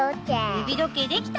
ゆびどけいできた！